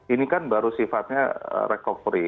ini kan baru sifatnya recovery